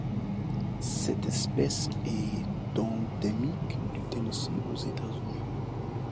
Cette espèce est endémique du Tennessee aux États-Unis.